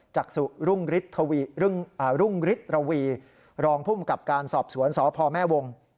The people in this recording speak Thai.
จักษุรุ่งฤทธวีรองผู้มกับการสอบสวนสพแม่วงค์